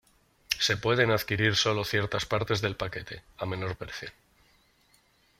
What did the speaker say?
Se pueden adquirir solo ciertas partes del paquete, a menor precio.